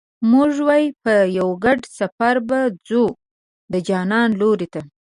موږ وې په یو ګډ سفر به ځو د جانان لوري ته